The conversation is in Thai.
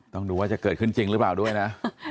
ต้องดูว่าจะเกิดขึ้นจริงหรือเปล่าด้วยนะ